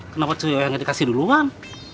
kenapa cuyo yang dikasih duluan